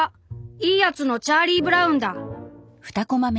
『いいやつ』のチャーリー・ブラウンだ！」。